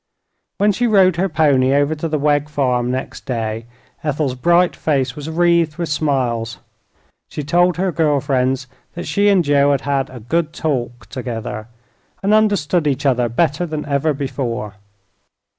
When she rode her pony over to the Wegg farm next day Ethel's bright face was wreathed with smiles. She told her girl friends that she and Joe had had a "good talk" together, and understood each other better than ever before.